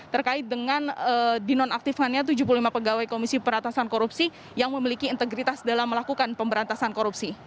terkait dengan dinonaktifkannya tujuh puluh lima pegawai komisi pembatasan korupsi yang memiliki integritas dalam melakukan pemberantasan korupsi